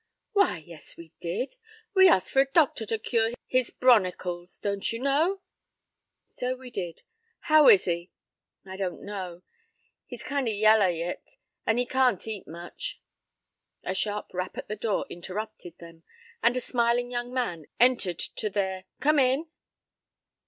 "Why, yes, we did. We ast fur a doctor to cure his bronicles. Don't you know?" "So we did. How is he?" "I don't know, he's kinder yaller yit, an' he can't eat much." A sharp rap at the door interrupted them, and a smiling young man entered to to their "Come in."